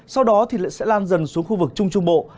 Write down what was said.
sau đó thì lại sẽ lan dần xuống khu vực trung trung bộ